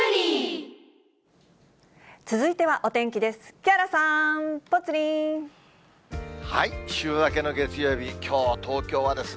続いてはお天気です。